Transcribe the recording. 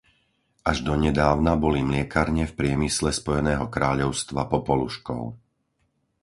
Až donedávna boli mliekarne v priemysle Spojeného kráľovstva popoluškou.